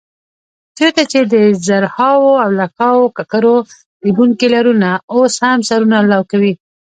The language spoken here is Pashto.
چېرته چې د زرهاو او لکهاوو ککرو ریبونکي لرونه اوس هم سرونه لو کوي.